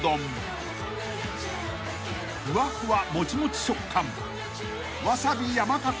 ［ふわふわもちもち食感］